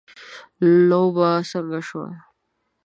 لوبه څنګه شوه .